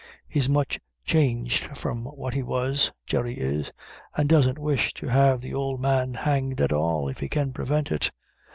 He's much changed from what he was Jerry is an' doesn't wish to have the old man hanged at all, if he can prevent it."